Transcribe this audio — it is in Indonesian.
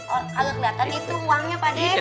oh agak kelihatan itu uangnya pak deh